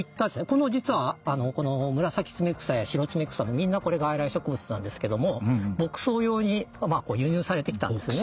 実はこのムラサキツメクサやシロツメクサもみんなこれ外来植物なんですけども牧草用に輸入されてきたんですね。